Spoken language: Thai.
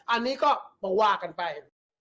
อันนี้ก็ว่ากันไป